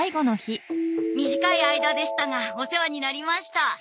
短い間でしたがお世話になりました。